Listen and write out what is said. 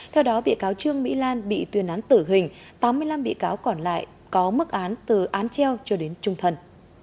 theo đó bị cáo trương mỹ lan bị tuyên án tử hình tám mươi năm bị cáo còn lại có mức án từ án treo cho đến trung thần